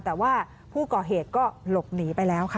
แต่ว่าผู้ก่อเหตุก็หลบหนีไปแล้วค่ะ